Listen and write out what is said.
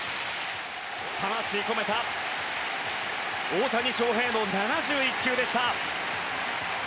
魂込めた大谷翔平の７１球でした。